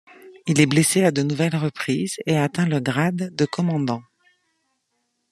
Il est blessé à deux nouvelles reprises et atteint le grade de commandant.